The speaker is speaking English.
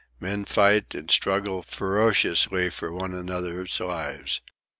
Men fight and struggle ferociously for one another's lives.